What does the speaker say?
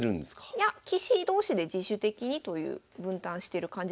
いや棋士同士で自主的にという分担してる感じらしいです。